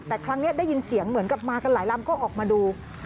แต่ครั้งนี้ได้ยินเสียงเหมือนกับมากันหลายลำก็ออกมาดู